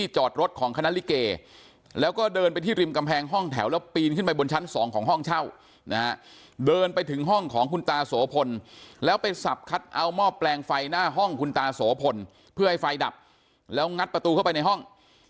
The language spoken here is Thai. เจ้านะเดินไปถึงห้องของคุณตาโสพลแล้วไปสับคัดเอาหม้อแปลงไฟหน้าห้องคุณตาโสพลเพื่อให้ไฟดับแล้วงัดประตูเข้าไปในห้อง